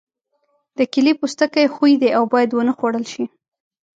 د کیلې پوستکی ښوی دی او باید ونه خوړل شي.